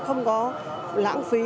không có lãng phí